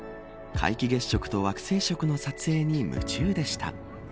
皆既月食と惑星食の撮影に夢中でした。